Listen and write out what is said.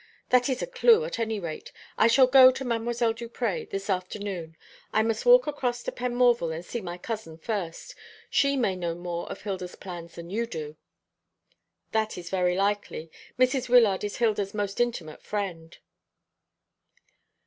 That is a clue, at any rate. I shall go to Mdlle. Duprez this afternoon. I must walk across to Penmorval and see my cousin first. She may know more of Hilda's plans than you do." "That is very likely. Mrs. Wyllard is Hilda's most intimate friend."